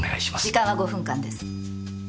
時間は５分間です。